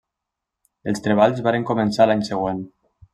Els treballs varen començar l'any següent.